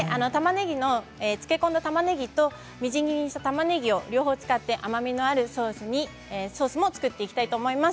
漬け込んだたまねぎとみじん切りにしたたまねぎ両方使って甘みのあるソースを作っていきたいと思います。